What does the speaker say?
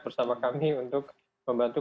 bersama kami untuk membantu